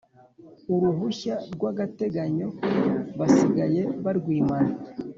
Uruhushya rw gateganyo basigaye barwimana